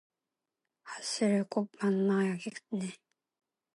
아씨를 꼭 만나야겠네